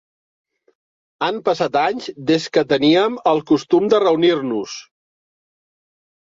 Han passat anys des que teníem el costum de reunir-nos.